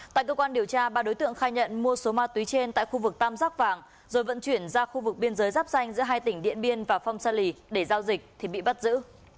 tại cơ quan điều tra ba đối tượng khai nhận mua số ma túy trên tại khu vực tam giác vàng rồi vận chuyển ra khu vực biên giới giáp xanh giữa hai tỉnh điện biên và phong sa lì để giao dịch thì bị bắt giữ